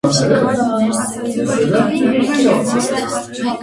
Ավշեքարն ուներ Ս. Գևորգ անունով եկեղեցի։